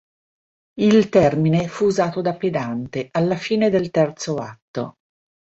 Il termine fu usato da "Pedante" alla fine del terzo atto.